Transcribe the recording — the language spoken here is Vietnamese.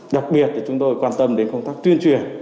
đặc biệt chúng tôi quan tâm đến công tác tuyên truyền